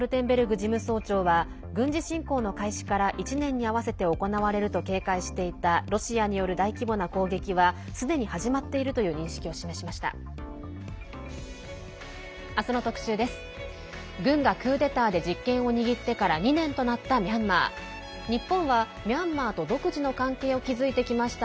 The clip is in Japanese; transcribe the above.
事務総長は軍事侵攻の開始から１年に合わせて行われると警戒していたロシアによる大規模な攻撃はすでに始まっているという認識を示しました。